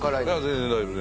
全然大丈夫。